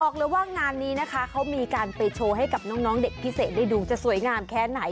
บอกเลยว่างานนี้นะคะเขามีการไปโชว์ให้กับน้องเด็กพิเศษได้ดูจะสวยงามแค่ไหน